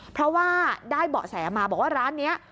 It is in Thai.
เพราะว่าได้เบาะแสมาบอกว่าร้านนี้